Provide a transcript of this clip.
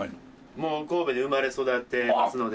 もう神戸で生まれ育ってますのでもうずっと。